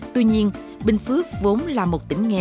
tuy nhiên bình phước vốn là một tỉnh nghèo